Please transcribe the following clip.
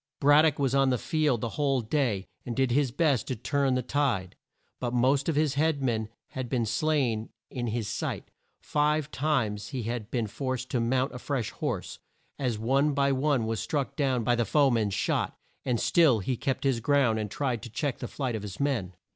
Brad dock was on the field the whole day, and did his best to turn the tide. But most of his head men had been slain in his sight; five times had he been forced to mount a fresh horse, as one by one was struck down by the foe man's shot, and still he kept his ground and tried to check the flight of his men.